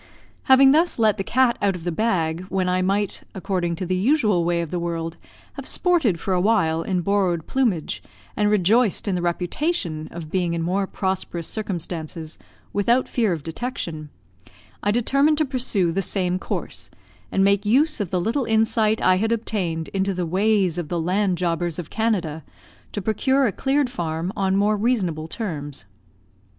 Having thus let the cat out of the bag, when I might, according to the usual way of the world, have sported for awhile in borrowed plumage, and rejoiced in the reputation of being in more prosperous circumstances without fear of detection, I determined to pursue the same course, and make use of the little insight I had obtained into the ways of the land jobbers of Canada, to procure a cleared farm on more reasonable terms.